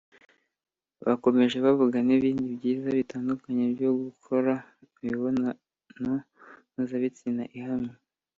Bakomeje bavuga n’ibindi byiza bitandukanye byo gukora imibonano mpuzabitsina ihamye